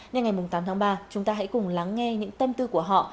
nên ngày tám tháng ba chúng ta hãy cùng lắng nghe những tâm tư của họ